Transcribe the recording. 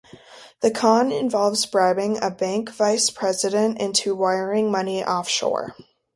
The con involves bribing a bank vice president into wiring money offshore.